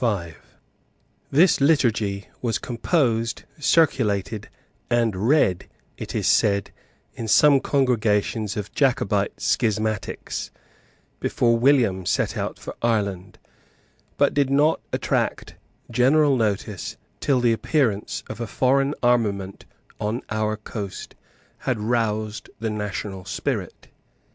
This liturgy was composed, circulated, and read, it is said, in some congregations of Jacobite schismatics, before William set out for Ireland, but did not attract general notice till the appearance of a foreign armament on our coast had roused the national spirit.